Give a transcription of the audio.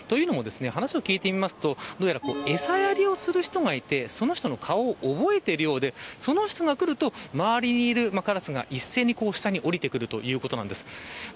話を聞いてみますと、餌やりをする人がいて、その人の顔を覚えているようでその人が来ると周りにいるカラスが一斉に下に下りてくるということなんです。